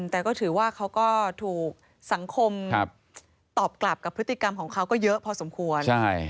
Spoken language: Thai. แต่ก็ถือว่าเขาก็ถูกสังคมตอบกลับกับพฤติกรรมของเขาก็เยอะพอสมควร